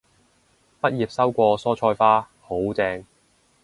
畢業收過蔬菜花，好正